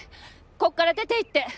こっから出ていって！